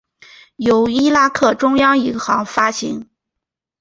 由伊拉克中央银行发行。